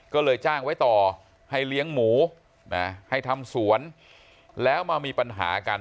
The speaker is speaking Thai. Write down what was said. ก็เลยจ้างไว้ต่อให้เลี้ยงหมูนะให้ทำสวนแล้วมามีปัญหากัน